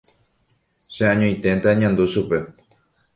Che añoiténte añandu chupe.